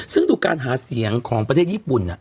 ซึ่งดูการหาเสียงของประเทศญี่ปุ่น